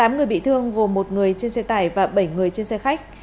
tám người bị thương gồm một người trên xe tải và bảy người trên xe khách